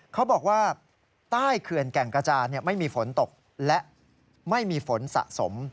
เขาบอกว่าใต้เขื่อนแก่งกระจานไม่มีฝนตกและไม่มีฝนสะสม